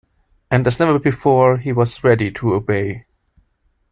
And as never before, he was ready to obey.